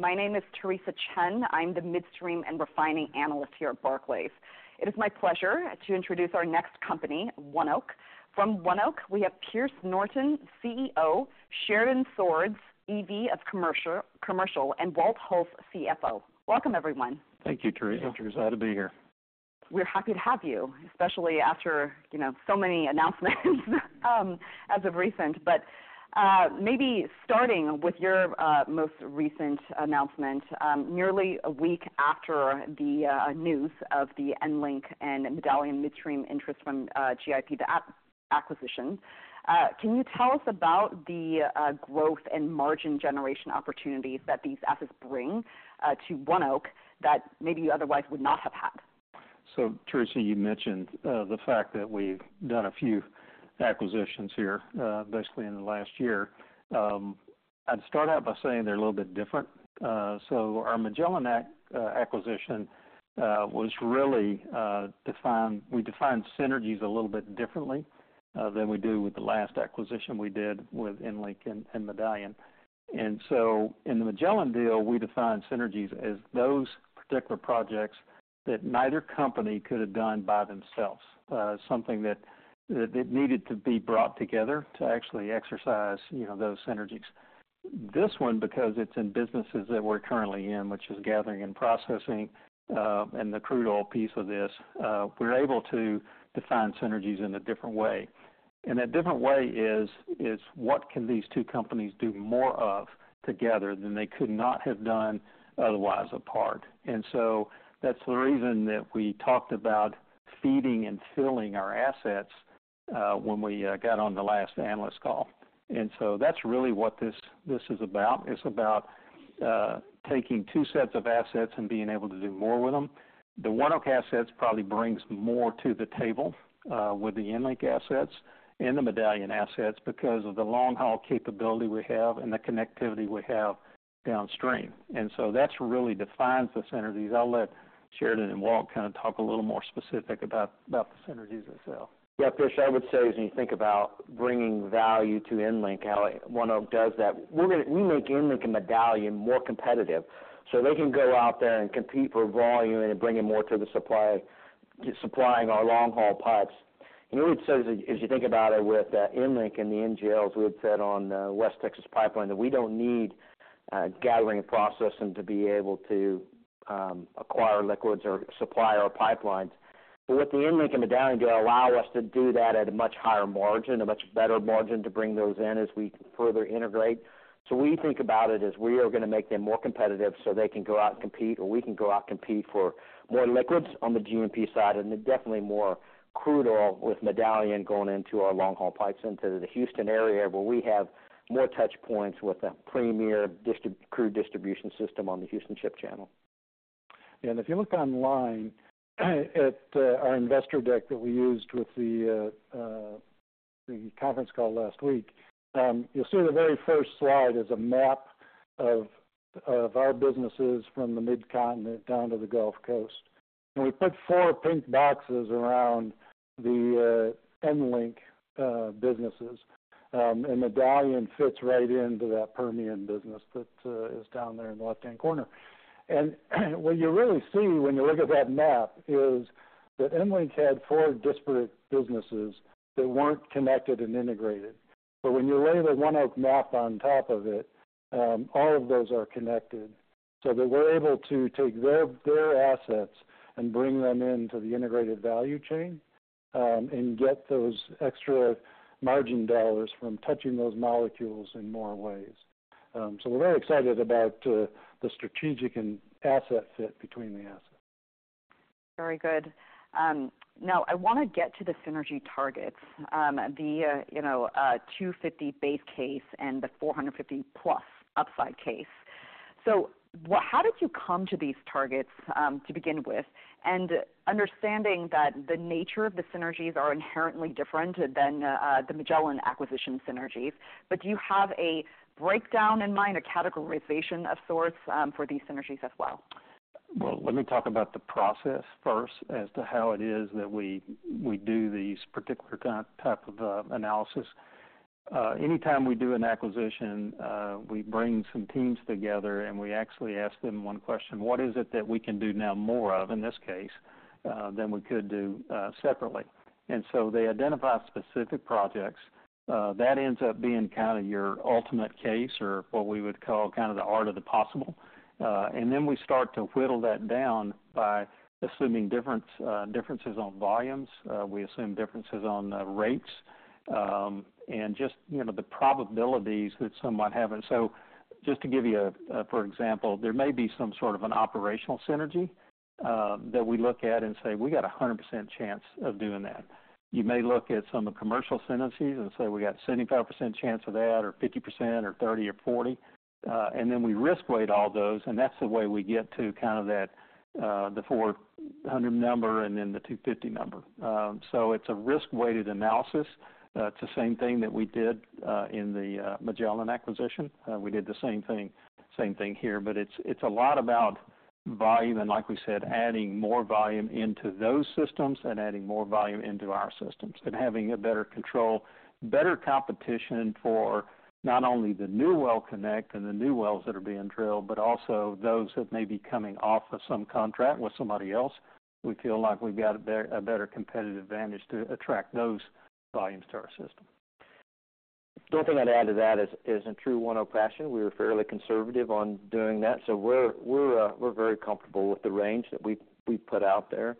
My name is Theresa Chen. I'm the Midstream and Refining Analyst here at Barclays. It is my pleasure to introduce our next company, ONEOK. From ONEOK, we have Pierce Norton, CEO, Sheridan Swords, EVP of Commercial, and Walt Hulse, CFO. Welcome, everyone. Thank you, Theresa. Thank you. Glad to be here. We're happy to have you, especially after, you know, so many announcements, as of recent. But, maybe starting with your, most recent announcement, nearly a week after the, news of the EnLink and Medallion Midstream interest from, GIP, the acquisition. Can you tell us about the, growth and margin generation opportunities that these assets bring, to ONEOK, that maybe you otherwise would not have had? So Theresa, you mentioned the fact that we've done a few acquisitions here, basically in the last year. I'd start out by saying they're a little bit different. So our Magellan acquisition was really defined. We defined synergies a little bit differently than we do with the last acquisition we did with EnLink and Medallion. And so in the Magellan deal, we defined synergies as those particular projects that neither company could have done by themselves. Something that it needed to be brought together to actually exercise, you know, those synergies. This one, because it's in businesses that we're currently in, which is gathering and processing and the crude oil piece of this, we're able to define synergies in a different way. And that different way is, is what can these two companies do more of together than they could not have done otherwise apart? And so that's the reason that we talked about feeding and filling our assets when we got on the last analyst call. And so that's really what this this is about. It's about taking two sets of assets and being able to do more with them. The ONEOK assets probably brings more to the table with the EnLink assets and the Medallion assets because of the long-haul capability we have and the connectivity we have downstream. And so that's what really defines the synergies. I'll let Sheridan and Walt kind of talk a little more specific about the synergies themselves. Yeah, Pierce, I would say, as you think about bringing value to EnLink, how ONEOK does that, we're gonna make EnLink and Medallion more competitive, so they can go out there and compete for volume and bring in more to the supply, supplying our long-haul pipes. And I would say, as you think about it with EnLink and the NGLs, we had said on the West Texas Pipeline, that we don't need gathering and processing to be able to acquire liquids or supply our pipelines. But with the EnLink and Medallion, they allow us to do that at a much higher margin, a much better margin to bring those in as we further integrate. So we think about it as we are gonna make them more competitive so they can go out and compete, or we can go out and compete for more liquids on the G&P side, and definitely more crude oil with Medallion going into our long-haul pipes into the Houston area, where we have more touch points with the premier crude distribution system on the Houston Ship Channel. And if you look online at our investor deck that we used with the conference call last week, you'll see the very first slide is a map of of our businesses from the Mid-Continent down to the Gulf Coast. And we put four pink boxes around the EnLink businesses, and Medallion fits right into that Permian business that is down there in the left-hand corner. And what you really see when you look at that map is that EnLink had four disparate businesses that weren't connected and integrated. But when you lay the ONEOK map on top of it, all of those are connected, so that we're able to take their assets and bring them into the integrated value chain, and get those extra margin dollars from touching those molecules in more ways. So we're very excited about the strategic and asset fit between the assets. Very good. Now, I wanna get to the synergy targets, the, you know, 250 base case and the 450-plus upside case. So how did you come to these targets, to begin with? And understanding that the nature of the synergies are inherently different than the Magellan acquisition synergies, but do you have a breakdown in mind, a categorization of sorts, for these synergies as well? Well, let me talk about the process first, as to how it is that we we do these particular kind of type of analysis. Anytime we do an acquisition, we bring some teams together, and we actually ask them one question: What is it that we can do now more of, in this case, than we could do separately? And so they identify specific projects. That ends up being kind of your ultimate case or what we would call kind of the art of the possible. And then we start to whittle that down by assuming different differences on volumes. We assume differences on rates, and just, you know, the probabilities that some might have. And so just to give you a for example, there may be some sort of an operational synergy that we look at and say, "We got 100% chance of doing that." You may look at some of the commercial synergies and say, "We got 75% chance of that, or 50% or 30 or 40." And then we risk weight all those, and that's the way we get to kind of that the 400 number and then the 250 number. So it's a risk-weighted analysis. It's the same thing that we did in the Magellan acquisition. We did the same thing, same thing here, but it's a lot about-... volume, and like we said, adding more volume into those systems and adding more volume into our systems, and having a better control, better competition for not only the new well connect and the new wells that are being drilled, but also those that may be coming off of some contract with somebody else. We feel like we've got a better competitive advantage to attract those volumes to our system. The only thing I'd add to that is in true ONEOK fashion, we are fairly conservative on doing that. So we're we're very comfortable with the range that we've put out there.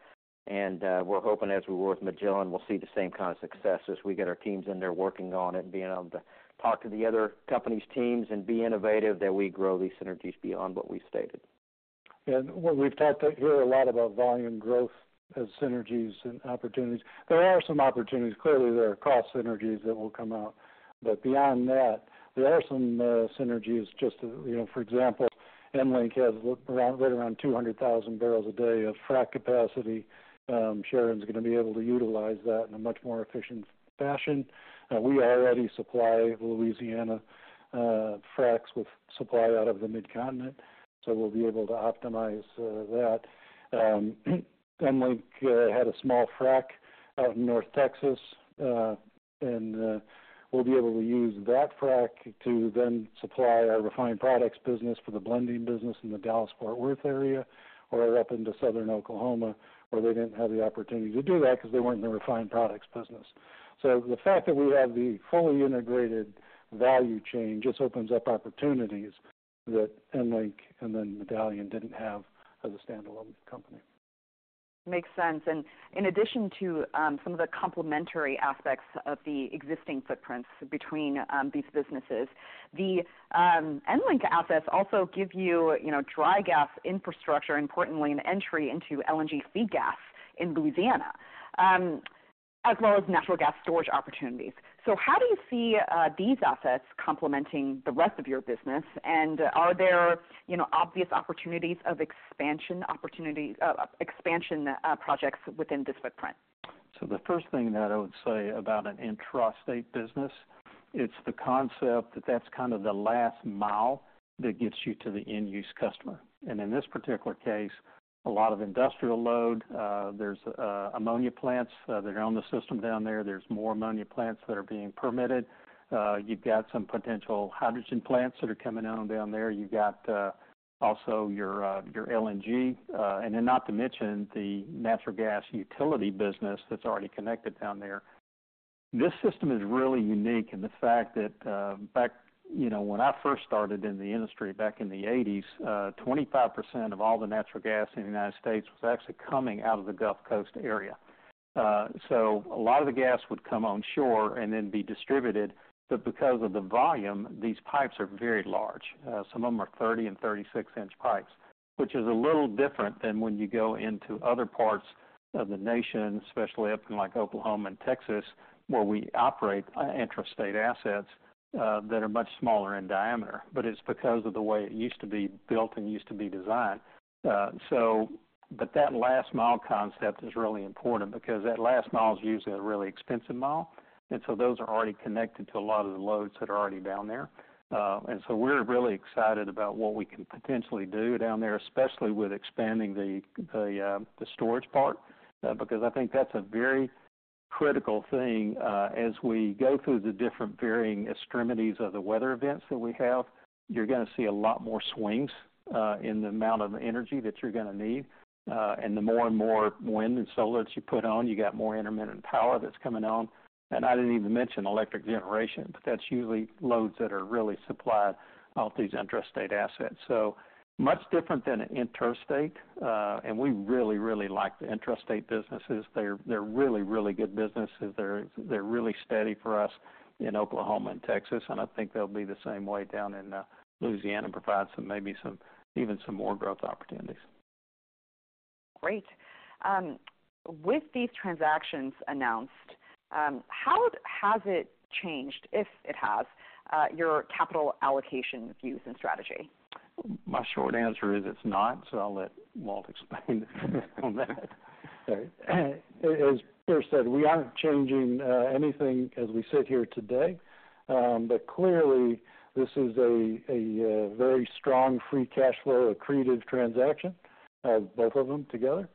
And we're hoping as we work with Magellan, we'll see the same kind of success as we get our teams in there working on it, and being able to talk to the other company's teams and be innovative, that we grow these synergies beyond what we've stated. And what we've talked here a lot about volume growth as synergies and opportunities. There are some opportunities. Clearly, there are cost synergies that will come out. But beyond that, there are some synergies, just to, you know, for example, EnLink has around, right around 200,000 barrels a day of frac capacity. Sheridan's gonna be able to utilize that in a much more efficient fashion. We already supply Louisiana fracs with supply out of the Mid-Continent, so we'll be able to optimize that. EnLink had a small frac out in North Texas, and we'll be able to use that frac to then supply our refined products business for the blending business in the Dallas-Fort Worth area or up into Southern Oklahoma, where they didn't have the opportunity to do that because they weren't in the refined products business. The fact that we have the fully integrated value chain just opens up opportunities that EnLink and then Medallion didn't have as a standalone company. Makes sense. And in addition to some of the complementary aspects of the existing footprints between these businesses, the EnLink assets also give you, you know, dry gas infrastructure, importantly, an entry into LNG feed gas in Louisiana, as well as natural gas storage opportunities. So how do you see these assets complementing the rest of your business? And are there, you know, obvious opportunities for expansion projects within this footprint? So the first thing that I would say about an intrastate business, it's the concept that that's kind of the last mile that gets you to the end-use customer. And in this particular case, a lot of industrial load, there's ammonia plants that are on the system down there. There's more ammonia plants that are being permitted. You've got some potential hydrogen plants that are coming on down there. You've got also your LNG, and then not to mention the natural gas utility business that's already connected down there. This system is really unique in the fact that, you know, when I first started in the industry back in the 1980s, 25% of all the natural gas in the United States was actually coming out of the Gulf Coast area. So a lot of the gas would come onshore and then be distributed, but because of the volume, these pipes are very large. Some of them are 30- and 36-inch pipes, which is a little different than when you go into other parts of the nation, especially up in, like, Oklahoma and Texas, where we operate intrastate assets that are much smaller in diameter, but it's because of the way it used to be built and used to be designed. But that last mile concept is really important because that last mile is usually a really expensive mile, and so those are already connected to a lot of the loads that are already down there. And so we're really excited about what we can potentially do down there, especially with expanding the storage part, because I think that's a very critical thing. As we go through the different varying extremes of the weather events that we have, you're gonna see a lot more swings in the amount of energy that you're gonna need. And the more and more wind and solar that you put on, you got more intermittent power that's coming on. And I didn't even mention electric generation, but that's usually loads that are really supplied off these intrastate assets. So much different than interstate, and we really, really like the intrastate businesses. They're, they're really, really good businesses. They're really steady for us in Oklahoma and Texas, and I think they'll be the same way down in Louisiana, provide some maybe even some more growth opportunities. Great. With these transactions announced, how has it changed, if it has, your capital allocation views and strategy? My short answer is it's not, so I'll let Walt explain on that. Sorry. As Pierce said, we aren't changing anything as we sit here today, but clearly, this is a a very strong free cash flow accretive transaction, both of them together,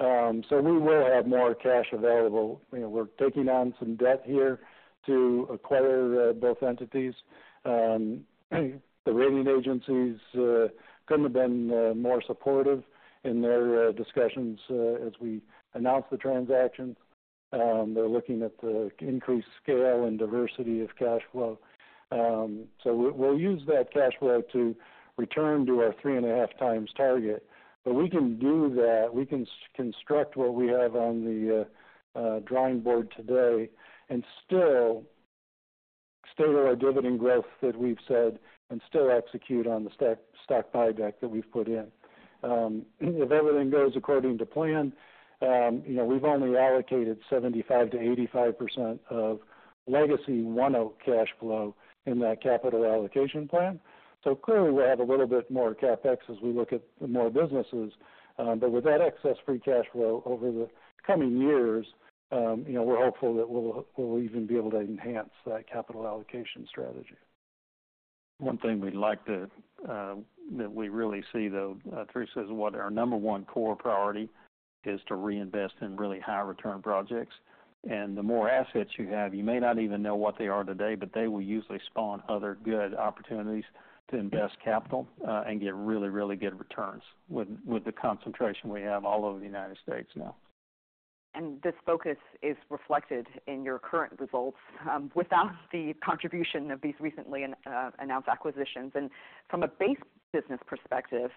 so we will have more cash available. You know, we're taking on some debt here to acquire both entities. The rating agencies couldn't have been more supportive in their discussions as we announced the transaction. They're looking at the increased scale and diversity of cash flow, so we'll use that cash flow to return to our three-and-a-half times target, but we can do that, we can construct what we have on the drawing board today and still, still our dividend growth that we've said and still execute on the stock buyback that we've put in. If everything goes according to plan, you know, we've only allocated 75%-85% of legacy ONEOK cash flow in that capital allocation plan, so clearly, we'll have a little bit more CapEx as we look at more businesses, but with that excess free cash flow over the coming years, you know, we're hopeful that we'll even be able to enhance that capital allocation strategy. One thing that we really see, though, Theresa, is what our number one core priority is to reinvest in really high return projects. And the more assets you have, you may not even know what they are today, but they will usually spawn other good opportunities to invest capital and get really, really good returns with the concentration we have all over the United States now. And this focus is reflected in your current results, without the contribution of these recently announced acquisitions. From a base business perspective,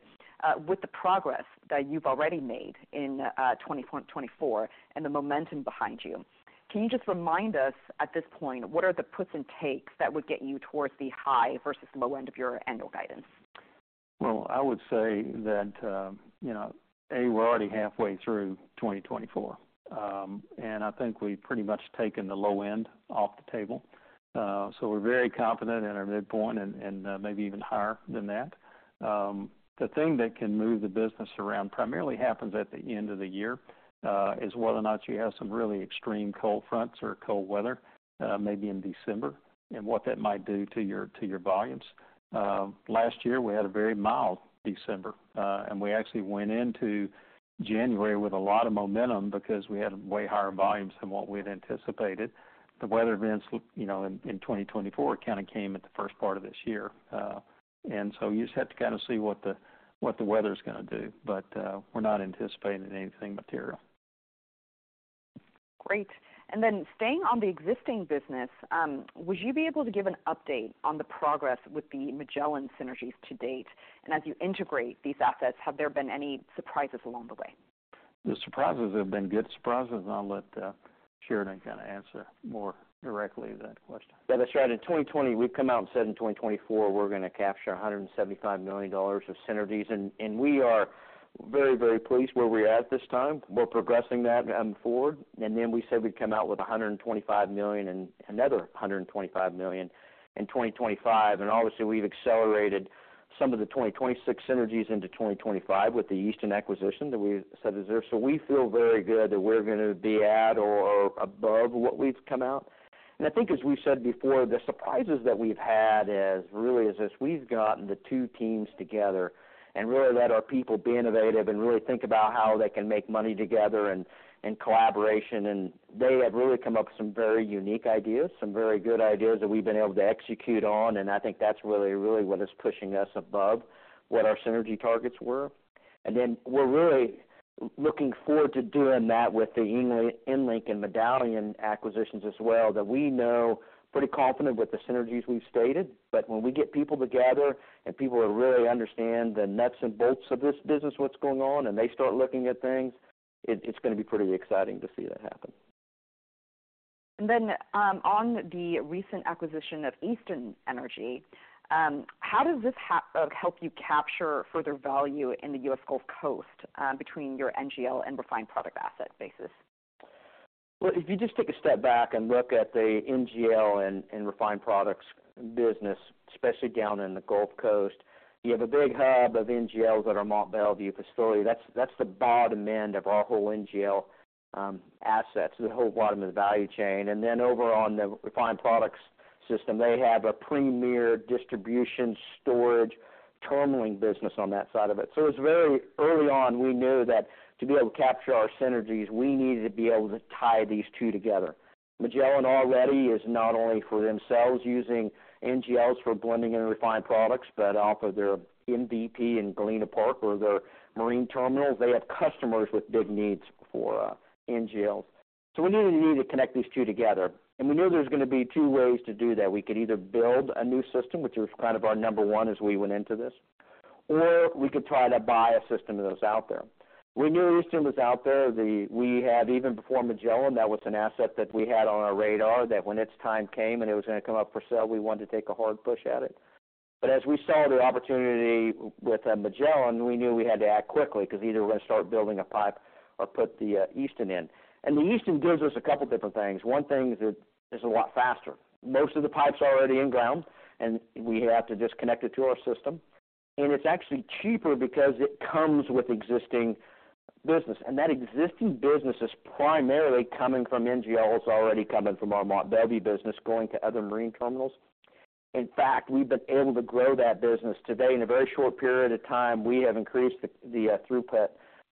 with the progress that you've already made in 2024 and the momentum behind you, can you just remind us, at this point, what are the puts and takes that would get you towards the high versus low end of your annual guidance? Well, I would say that, you know, A, we're already halfway through 2024. And I think we've pretty much taken the low end off the table. So we're very confident in our midpoint and maybe even higher than that. The thing that can move the business around primarily happens at the end of the year is whether or not you have some really extreme cold fronts or cold weather maybe in December, and what that might do to your volumes. Last year, we had a very mild December, and we actually went into January with a lot of momentum because we had way higher volumes than what we had anticipated. The weather events, you know, in 2024, kind of came at the first part of this year. And so you just have to kind of see what the, what the weather's gonna do, but we're not anticipating anything material. Great. And then staying on the existing business, would you be able to give an update on the progress with the Magellan synergies to date? And as you integrate these assets, have there been any surprises along the way? The surprises have been good surprises, and I'll let Sheridan kind of answer more directly to that question. Yeah, that's right. In 2020, we've come out and said in 2024, we're going to capture $175 million of synergies, and, and we are very, very pleased where we're at this time. We're progressing that forward. And then we said we'd come out with $125 million and another $125 million in 2025. And obviously, we've accelerated some of the 2026 synergies into 2025 with the Easton acquisition that we said is there. So we feel very good that we're gonna be at or above what we've come out. And I think as we said before, the surprises that we've had is really this, we've gotten the two teams together and really let our people be innovative and really think about how they can make money together and, and collaboration. They have really come up with some very unique ideas, some very good ideas that we've been able to execute on, and I think that's really, really what is pushing us above what our synergy targets were. And then we're really looking forward to doing that with the EnLink and Medallion acquisitions as well, that we're pretty confident with the synergies we've stated. When we get people together and people will really understand the nuts and bolts of this business, what's going on, and they start looking at things, it's gonna be pretty exciting to see that happen. And then, on the recent acquisition of Easton Energy, how does this help you capture further value in the U.S. Gulf Coast, between your NGL and refined product asset bases? Well if you just take a step back and look at the NGL and refined products business, especially down in the Gulf Coast, you have a big hub of NGLs at our Mont Belvieu facility. That's the bottom end of our whole NGL assets, the whole bottom of the value chain, and then over on the refined products system, they have a premier distribution, storage, terminaling business on that side of it, so it's very early on, we knew that to be able to capture our synergies, we needed to be able to tie these two together. Magellan already is not only for themselves using NGLs for blending and refined products, but off of their MMP in Galena Park or their marine terminals, they have customers with big needs for NGLs. So we knew we needed to connect these two together, and we knew there was gonna be two ways to do that. We could either build a new system, which was kind of our number one as we went into this, or we could try to buy a system that was out there. We knew Easton was out there. We had, even before Magellan, that was an asset that we had on our radar, that when its time came and it was gonna come up for sale, we wanted to take a hard push at it. But as we saw the opportunity with Magellan, we knew we had to act quickly because either we're going to start building a pipe or put the Easton in. And the Easton gives us a couple of different things. One thing is it's a lot faster. Most of the pipes are already in ground, and we have to just connect it to our system. It's actually cheaper because it comes with existing business, and that existing business is primarily coming from NGLs, already coming from our Mont Belvieu business, going to other marine terminals. In fact, we've been able to grow that business. Today, in a very short period of time, we have increased the throughput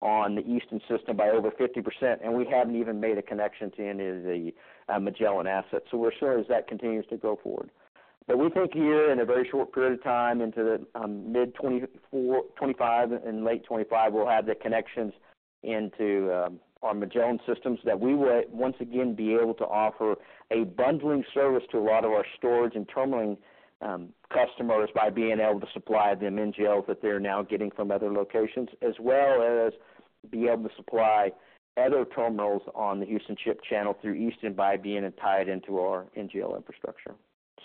on the Easton system by over 50%, and we haven't even made a connection to any of the Magellan assets. We're sure as that continues to go forward. But we think here, in a very short period of time, into the mid-2024, 2025 and late 2025, we'll have the connections into our Magellan systems, that we will once again be able to offer a bundling service to a lot of our storage and terminaling customers by being able to supply them NGLs that they're now getting from other locations, as well as be able to supply other terminals on the Houston Ship Channel through Easton by being tied into our NGL infrastructure.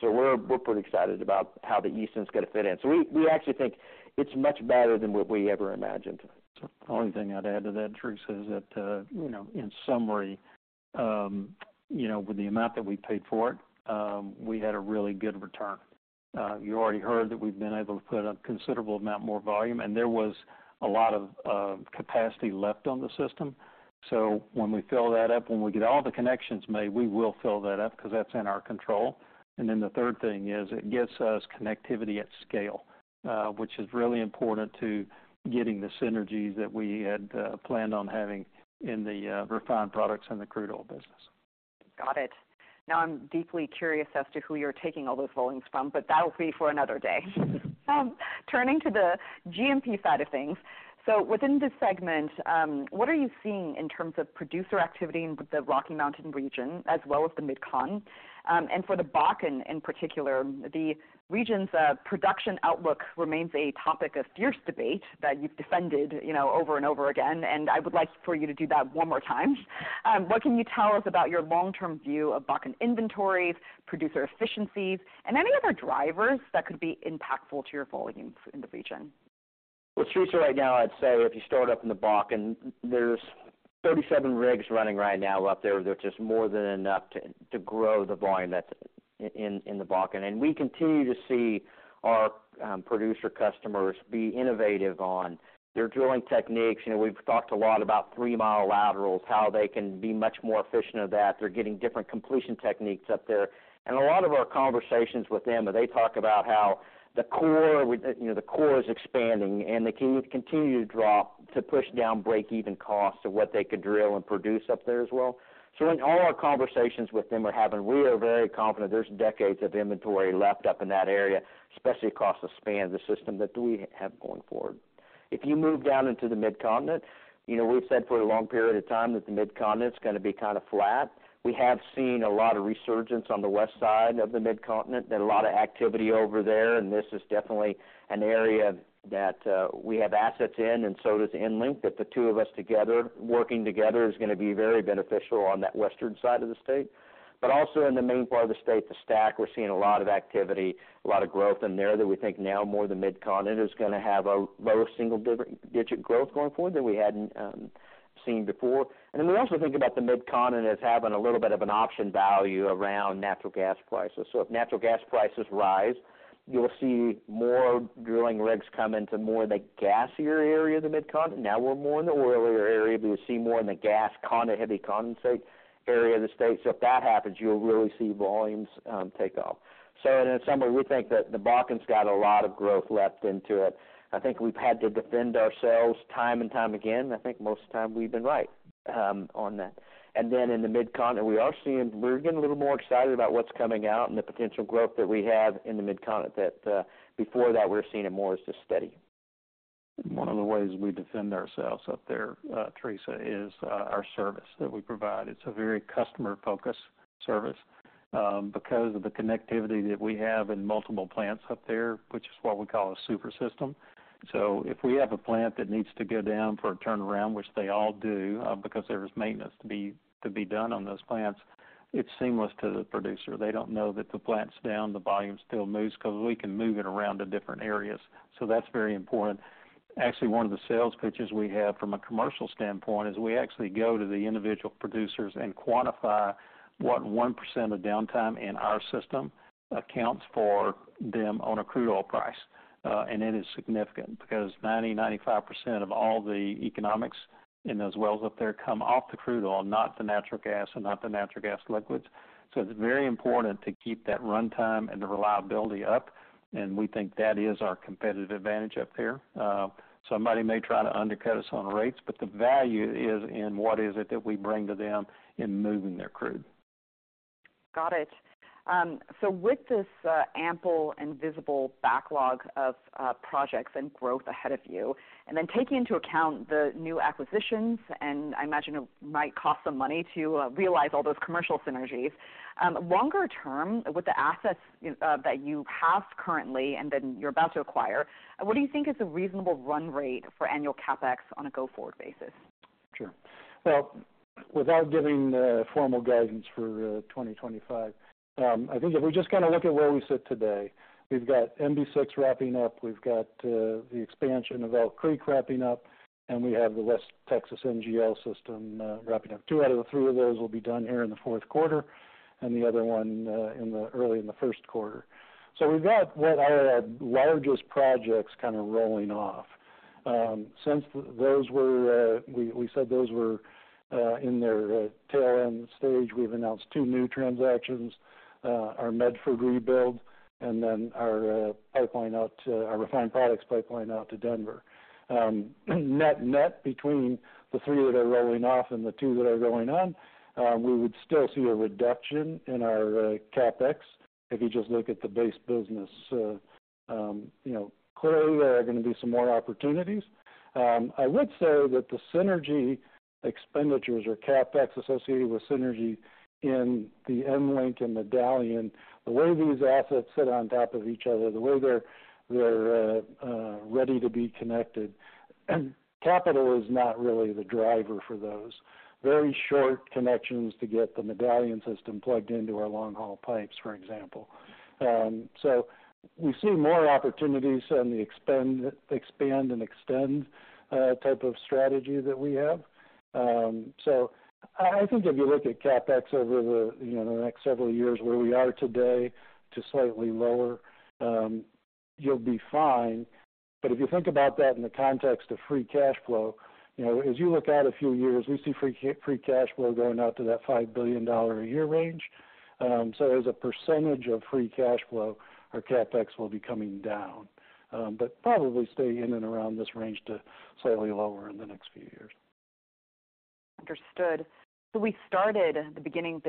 So we're pretty excited about how the Easton is gonna fit in. So we actually think it's much better than what we ever imagined. The only thing I'd add to that, Theresa, is that, you know, in summary, you know, with the amount that we paid for it, we had a really good return. You already heard that we've been able to put a considerable amount more volume, and there was a lot of capacity left on the system. So when we fill that up, when we get all the connections made, we will fill that up because that's in our control. And then the third thing is it gets us connectivity at scale, which is really important to getting the synergies that we had planned on having in the refined products and the crude oil business. Got it. Now, I'm deeply curious as to who you're taking all those volumes from, but that will be for another day. Turning to the G&P side of things. So within this segment, what are you seeing in terms of producer activity in the Rocky Mountain region as well as the Mid-Con? And for the Bakken, in particular, the region's production outlook remains a topic of fierce debate that you've defended, you know, over and over again, and I would like for you to do that one more time. What can you tell us about your long-term view of Bakken inventories, producer efficiencies, and any other drivers that could be impactful to your volumes in the region? Well Theresa, right now, I'd say if you start up in the Bakken, there's 37 rigs running right now up there. That's just more than enough to grow the volume that's in the Bakken. And we continue to see our producer customers be innovative on their drilling techniques. You know, we've talked a lot about three-mile laterals, how they can be much more efficient of that. They're getting different completion techniques up there. A lot of our conversations with them, they talk about how the core, you know, is expanding and they can continue to drop to push down breakeven costs of what they could drill and produce up there as well. So in all our conversations with them we're having, we are very confident there's decades of inventory left up in that area, especially across the span of the system that we have going forward. If you move down into the Mid-Continent, you know, we've said for a long period of time that the Mid-Continent is going to be kind of flat. We have seen a lot of resurgence on the west side of the Mid-Continent, and a lot of activity over there, and this is definitely an area that, we have assets in, and so does EnLink, that the two of us together, working together, is going to be very beneficial on that western side of the state. But also in the main part of the state, the STACK, we're seeing a lot of activity, a lot of growth in there that we think now more the Mid-Continent is going to have a low single-digit growth going forward than we hadn't seen before, and then we also think about the Mid-Continent as having a little bit of an option value around natural gas prices, so if natural gas prices rise, you'll see more drilling rigs come into more of the gassier area of the Mid-Continent. Now we're more in the oilier area, but you'll see more in the gassier, condensate-heavy area of the state, so if that happens, you'll really see volumes take off, so in summary, we think that the Bakken's got a lot of growth left into it. I think we've had to defend ourselves time and time again. I think most of the time we've been right on that and then in the Mid-Continent, we are seeing, we're getting a little more excited about what's coming out and the potential growth that we have in the Mid-Continent, that before that, we're seeing it more as just steady. One of the ways we defend ourselves up there, Theresa, is our service that we provide. It's a very customer-focused service, because of the connectivity that we have in multiple plants up there, which is what we call a super system. So if we have a plant that needs to go down for a turnaround, which they all do, because there is maintenance to be done on those plants, it's seamless to the producer. They don't know that the plant's down, the volume still moves because we can move it around to different areas. So that's very important. Actually, one of the sales pitches we have from a commercial standpoint is we actually go to the individual producers and quantify what one percent of downtime in our system accounts for them on a crude oil price. And it is significant because 90%-95% of all the economics in those wells up there come off the crude oil, not the natural gas and not the natural gas liquids. So it's very important to keep that runtime and the reliability up, and we think that is our competitive advantage up there. Somebody may try to undercut us on rates, but the value is in what is it that we bring to them in moving their crude. Got it. So with this ample and visible backlog of of projects and growth ahead of you, and then taking into account the new acquisitions, and I imagine it might cost some money to realize all those commercial synergies, longer term, with the assets that you have currently and then you're about to acquire, what do you think is a reasonable run rate for annual CapEx on a go-forward basis? Sure, well, without giving formal guidance for 2025, I think if we just kind of look at where we sit today, we've got MB-6 wrapping up, we've got the expansion of Elk Creek wrapping up, and we have the West Texas NGL system wrapping up. Two out of the three of those will be done here in the fourth quarter, and the other one in the early in the first quarter. So we've got what our largest projects kind of rolling off. Since those were, we said those were in their tail end stage, we've announced two new transactions, our Medford rebuild, and then our refined products pipeline out to Denver. Net-net between the three that are rolling off and the two that are rolling on, we would still see a reduction in our CapEx if you just look at the base business. So you know, clearly, there are going to be some more opportunities. I would say that the synergy expenditures or CapEx associated with synergy in the EnLink and Medallion, the way these assets sit on top of each other, the way they're they're ready to be connected, and capital is not really the driver for those. Very short connections to get the Medallion system plugged into our long-haul pipes, for example. So we see more opportunities on the expand and extend type of strategy that we have. So So I think if you look at CapEx over the, you know, the next several years, where we are today to slightly lower, you'll be fine. But if you think about that in the context of free cash flow, you know, as you look out a few years, we see free cash flow going out to that $5 billion a year range. So as a percentage of free cash flow, our CapEx will be coming down, but probably stay in and around this range to slightly lower in the next few years. Understood. So we started at the beginning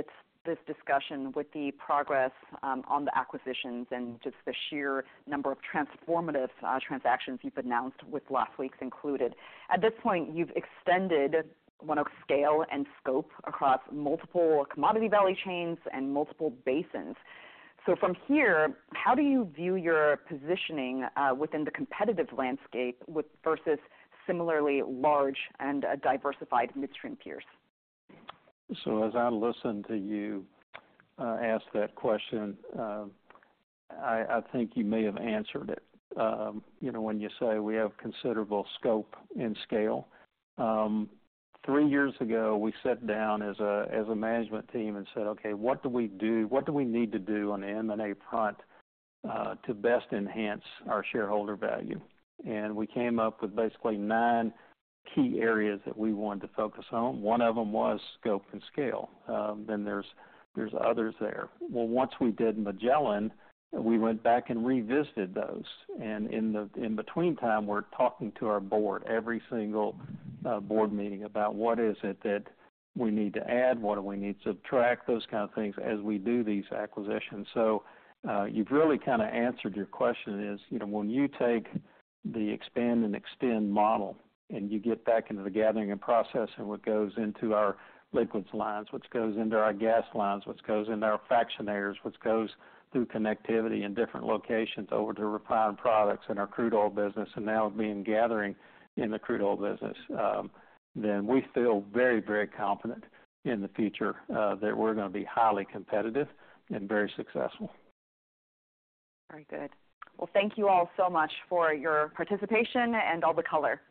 this discussion with the progress on the acquisitions and just the sheer number of transformative transactions you've announced with last week's included. At this point, you've extended ONEOK scale and scope across multiple commodity value chains and multiple basins. So from here, how do you view your positioning within the competitive landscape with versus similarly large and diversified midstream peers? As I listen to you, ask that question, I think you may have answered it. You know, when you say we have considerable scope and scale. Three years ago, we sat down as a management team and said, "Okay, what do we do? What do we need to do on the M&A front, to best enhance our shareholder value?" We came up with basically nine key areas that we wanted to focus on. One of them was scope and scale. Then there's others there. Once we did Magellan, we went back and revisited those, and in between time, we're talking to our board, every single board meeting about what is it that we need to add, what do we need to subtract, those kind of things as we do these acquisitions. So you've really kind of answered your question is, you know, when you take the expand and extend model, and you get back into the gathering and processing, what goes into our liquids lines, what goes into our gas lines, what goes into our fractionators, what goes through connectivity in different locations over to refined products in our crude oil business, and now being gathering in the crude oil business, then we feel very, very confident in the future, that we're gonna be highly competitive and very successful. Very good. Well, thank you all so much for your participation and all the color.